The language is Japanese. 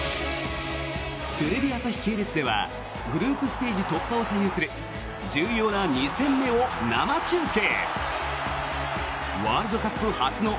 テレビ朝日系列ではグループステージ突破を左右する重要な２戦目を生中継。